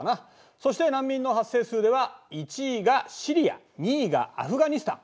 そして難民の発生数では１位がシリア２位がアフガニスタン。